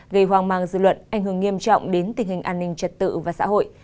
gây hoang mang dư luận ảnh hưởng nghiêm trọng đến tình hình an ninh trật tự và xã hội